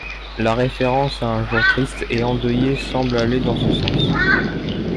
La référence à un jour triste et endeuillé semble aller dans ce sens.